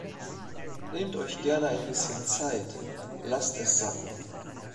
Nehmt euch gerne ein bisschen Zeit, lasst es sacken.